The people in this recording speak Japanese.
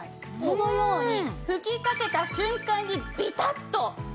このように吹きかけた瞬間にビタッと張りつくんですね。